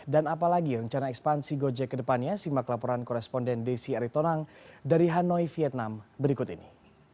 dan apalagi rencana ekspansi gojek ke depannya simak laporan koresponden desi aritonang dari hanoi vietnam berikut ini